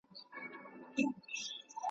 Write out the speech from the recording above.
شرنګولي مي د میو ګیلاسونه ,